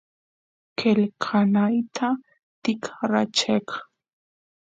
qelqanayta tikracheq